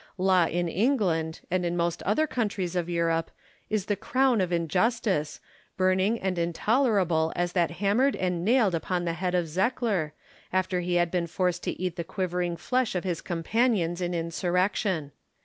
Law in England, and in most other countries of Europe, is the crown of injustice, burning and intolerable as that hammered and nailed upon the head of Zekkler, after he had been forced to eat the quivering flesh of his companions in insurrection.